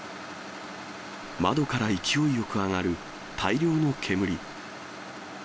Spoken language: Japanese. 窓から勢いよく上がる大量の煙。